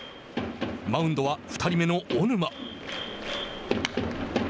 マウンドは２人目の小沼。